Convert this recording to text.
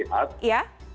fakta ini melihat